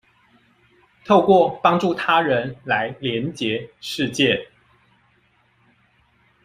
透過幫助他人來連結世界